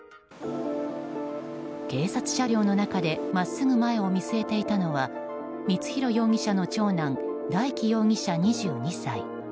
警察車両の中で真っすぐ前を見据えていたのは光弘容疑者の長男大祈容疑者、２２歳。